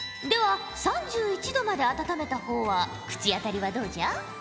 では３１℃まで温めた方は口当たりはどうじゃ？